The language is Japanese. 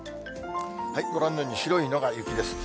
ご覧のように白いのが雪です。